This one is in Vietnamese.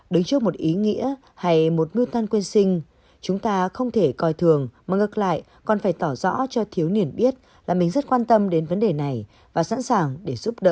đứng trước một ý nghĩa hay một ngư thân quyên sinh chúng ta không thể coi thường mà ngược lại còn phải tỏ rõ cho thiếu niên biết là mình rất quan tâm đến vấn đề này và sẵn sàng để giúp đỡ